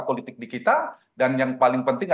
politik di kita dan yang paling penting